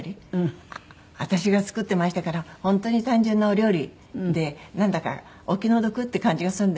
私が作っていましたから本当に単純なお料理でなんだかお気の毒って感じがするんですけれど。